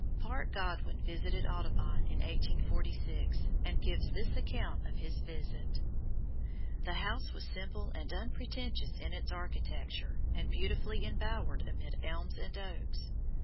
Parke Godwin visited Audubon in 1846, and gives this account of his visit: "The house was simple and unpretentious in its architecture, and beautifully embowered amid elms and oaks.